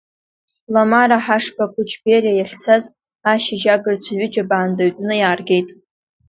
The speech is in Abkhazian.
Ламара Ҳашба-Қәычбериа иахьцаз, ашьыжь агырцәа ҩыџьа баандаҩтәны иааргеит.